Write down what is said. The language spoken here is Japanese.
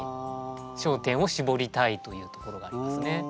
焦点を絞りたいというところがありますね。